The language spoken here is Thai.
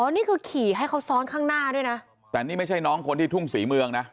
นี่คือขี่ให้เขาซ้อนข้างหน้าด้วยนะแต่นี่ไม่ใช่น้องคนที่ทุ่งศรีเมืองนะ